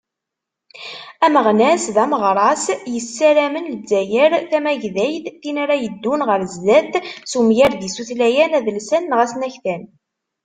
Ameɣnas d ameɣras, yessarmen Lezzayer tamagdayt, tin ara yeddun ɣer sdat s umgarad-is utlayan adelsan neɣ asnaktan.